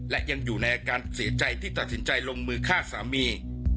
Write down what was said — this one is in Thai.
และยังอยู่ในอาการเสียใจที่ตัดสินใจลงมือฆ่าสามี